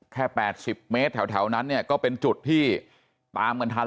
แค่๘๐เมตรแถวนั้นเนี่ยก็เป็นจุดที่ตามกันทัน